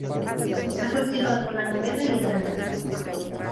Ha cultivado la novela y el relato.